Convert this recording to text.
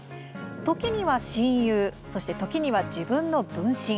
時には、親友そして時には自分の分身。